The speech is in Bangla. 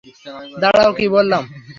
দাঁড়াও, কী বললাম?